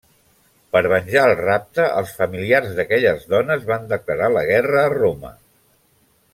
Per venjar el rapte, els familiars d'aquelles dones van declarar la guerra a Roma.